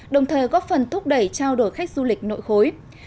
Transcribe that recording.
đồng thời góp phần thúc đẩy trao đổi khách du lịch nội khối